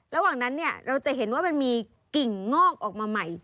ระหว่างนั้นเนี่ยเราจะเห็นว่ามันมีกิ่งงอกออกมาใหม่